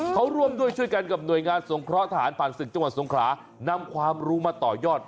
เขาร่วมด้วยช่วยกันกับหน่วยงานทรงเคราะห์ทหารภาคสินทร์ันทร์สรุนคือนำความรู้มาต่อยอด